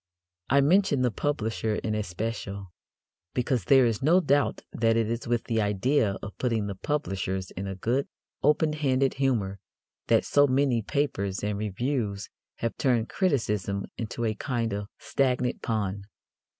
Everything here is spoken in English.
I mention the publisher in especial, because there is no doubt that it is with the idea of putting the publishers in a good, open handed humour that so many papers and reviews have turned criticism into a kind of stagnant pond.